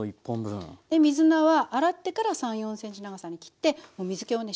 水菜は洗ってから３４ｃｍ長さに切って水けをね